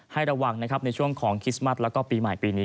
ให้ระวังในช่วงของคริสต์มัสและปีใหม่ปีนี้